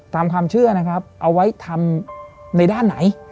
ตามความเชื่อนะครับเอาไว้ทำในด้านไหน